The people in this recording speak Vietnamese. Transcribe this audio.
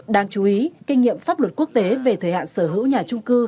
đáng chú ý kinh nghiệm pháp luật quốc tế về thời hạn sở hữu nhà trung cư